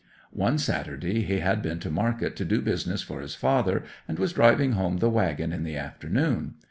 One Saturday he had been to market to do business for his father, and was driving home the waggon in the afternoon.